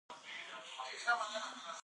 چای، قهوه او سګرټ باید ورو ورو کم شي.